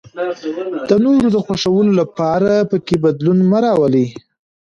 د نورو د خوښولو لپاره پکې بدلون مه راولئ.